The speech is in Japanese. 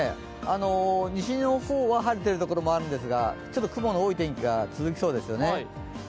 西日本の方は晴れてるところが多いんですがちょっと雲の多い天気が続きそうですね。